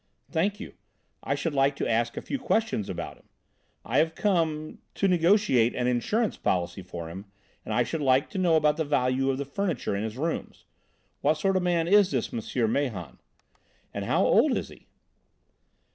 "Thank you. I should like to ask a few questions about him. I have come to negotiate an insurance policy for him and I should like to know about the value of the furniture in his rooms. What sort of a man is this M. Mahon? About how old is he?"